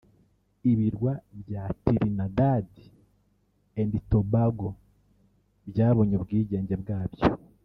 Ibirwa bya Trinidad and Tobago byabonye ubwigenge bwabyo